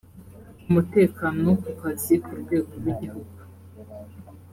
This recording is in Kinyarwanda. umutekano ku kazi ku rwego rw igihugu